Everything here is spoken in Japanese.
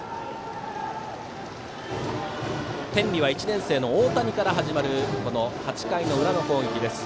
天理は１年生の大谷から始まる８回の裏の攻撃です。